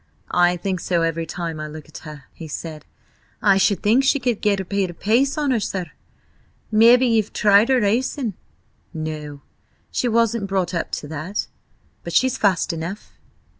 "I think so every time I look at her," he said. "I should think she could get a bit of a pace on her, sir? Mebbe ye've tried her racing?" "No, she wasn't brought up to that. But she's fast enough."